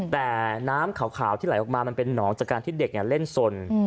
แต่น้ำขาวที่ไหลออกมามันเป็นหนองจากการที่เด็กเล่นสน